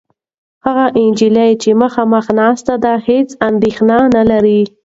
هغه نجلۍ چې مخامخ ناسته ده، هېڅ اندېښنه نهلري.